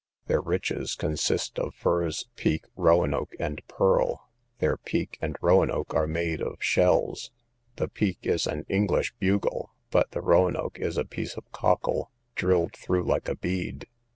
Their riches consist of furs, peak, roenocke, and pearl. Their peak and roenocke are made of shells; the peak is an English bugle, but the roenocke is a piece of cockle, drilled through like a bead.